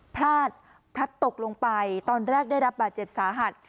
พลาดพลัดตกลงไปตอนแรกได้รับบาดเจ็บสาหัส